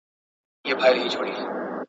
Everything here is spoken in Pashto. ایا د شیدو چښل هډوکي او غاښونه قوي کوي؟